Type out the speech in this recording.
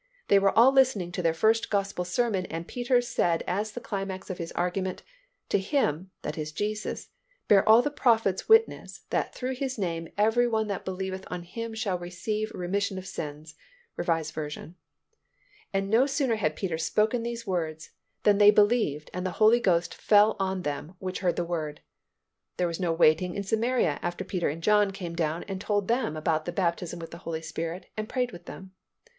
They were listening to their first Gospel sermon and Peter said as the climax of his argument "to Him (that is Jesus) bear all the prophets witness that through His name every one that believeth on Him shall receive remission of sins" (R. V.), and no sooner had Peter spoken these words than they believed and "the Holy Ghost fell on them which heard the word." There was no waiting in Samaria after Peter and John came down and told them about the baptism with the Holy Spirit and prayed with them.